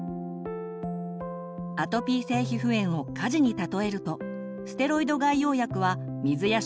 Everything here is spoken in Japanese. アトピー性皮膚炎を火事に例えるとステロイド外用薬は水や消火剤。